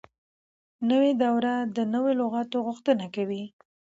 نوې دوره د نوو لغاتو غوښتنه کوي.